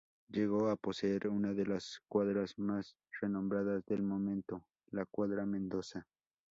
Llegó a poseer una de las cuadras más renombradas del momento: la Cuadra Mendoza.